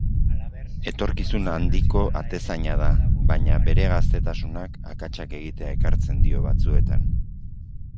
Etorkizun handiko atezaina da, baina bere gaztetasunak akatsak egitea ekartzen dio batzuetan.